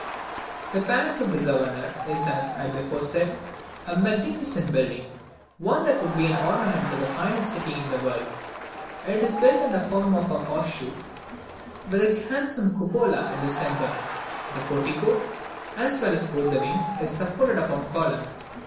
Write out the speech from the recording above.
The Palace of the governor is as I before said, a magnificent building one that would be an ornament to the finest city in the world. It is built in the form of a horse shoe, with a handsome cupola in the centre: the portico, as well as both the wings, is supported upon columns.